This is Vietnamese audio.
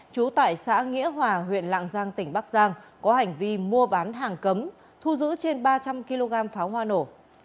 trú tại xã nghĩa hòa huyện lạng giang tỉnh bắc giang có hành vi mua bán hàng cấm thu giữ trên ba trăm linh kg pháo hoa nổ